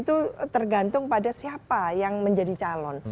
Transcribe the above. itu tergantung pada siapa yang menjadi calon